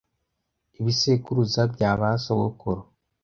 Ibisekuruza bya ba sogokuruza